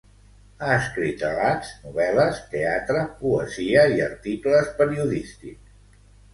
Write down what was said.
Ha escrit relats, novel·les, teatre, poesia i articles periodístics.